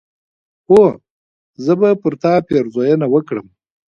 هو! زه به پر تا پيرزوينه وکړم